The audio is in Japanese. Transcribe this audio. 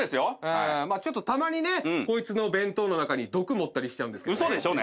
ちょっとたまにねこいつの弁当の中に毒盛ったりしちゃうんですけどね。